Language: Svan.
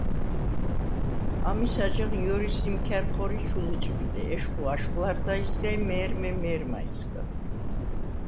ამის აჯაღ ჲორი სიმქა̈რ ხორი ჩუ ლჷჭბიდე, ეშხუ აშხვ ლარდაისგა ი მე̄რმე - მე̄რმაისგა.